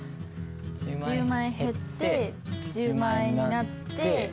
１０万円減って１０万円になって。